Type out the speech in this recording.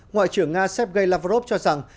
ngoại trưởng nga sergei lavrov cho rằng